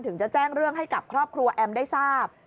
ถึงจะแจ้งเรื่องให้กับครอบครัวแอมได้ทราบ